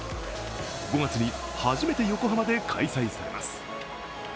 ５月に初めて横浜で開催されます。